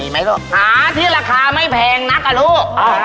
หาที่ราคาไม่แพงนักลูก